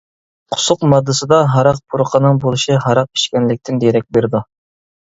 قۇسۇق ماددىسىدا ھاراق پۇرىقىنىڭ بولۇشى ھاراق ئىچكەنلىكتىن دېرەك بېرىدۇ.